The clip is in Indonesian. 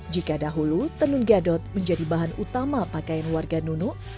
jika dahulu tenun gadot menjadi bahan utama pakaian warga nunuk